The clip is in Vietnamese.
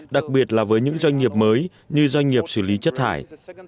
đặc biệt là với những doanh nghiệp mới như doanh nghiệp xử lý chất thải